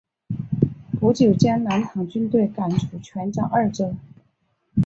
不久将南唐军队赶出泉漳二州。